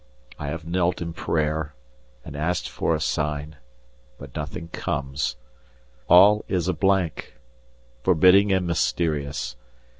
I have knelt in prayer and asked for a sign, but nothing comes all is a blank, forbidding and mysterious.